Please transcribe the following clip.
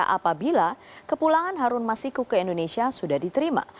apabila kepulangan harun masiku ke indonesia sudah diterima